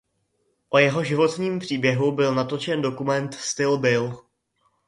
O jeho životním příběhu byl natočen dokument "Still Bill".